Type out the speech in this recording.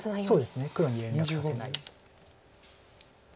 黒に連絡させない。